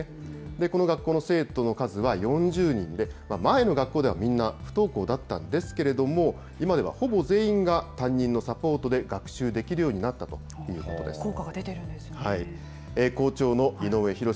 この学校の生徒の数は４０人で、前の学校ではみんな不登校だったんですけれども、今ではほぼ全員が、担任のサポートで学習できる効果が出ているんですね。